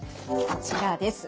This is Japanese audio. こちらです。